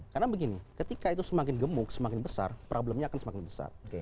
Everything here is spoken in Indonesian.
karena begini ketika itu semakin gemuk semakin besar problemnya akan semakin besar